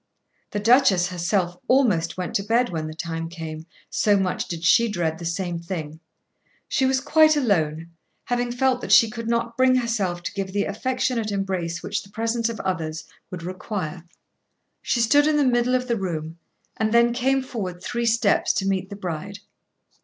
The Duchess herself almost went to bed when the time came, so much did she dread the same thing. She was quite alone, having felt that she could not bring herself to give the affectionate embrace which the presence of others would require. She stood in the middle of the room and then came forward three steps to meet the bride.